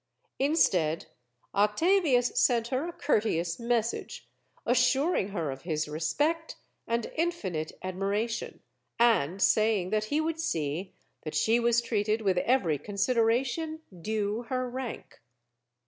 Instead, Octavius sent her a courteous message, as suring her of his respect and infinite admiration, and saying that he would see that she was treated with every consideration due her rank.